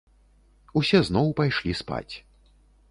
Усе зноў пайшлі спаць.